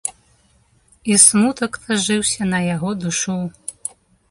І смутак лажыўся на яго душу.